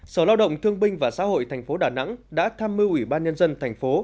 sở lao động thương binh và xã hội thành phố đà nẵng đã tham mưu ủy ban nhân dân thành phố